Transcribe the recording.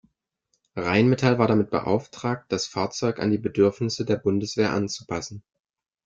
Rheinmetall war damit beauftragt, das Fahrzeug an die Bedürfnisse der Bundeswehr anzupassen.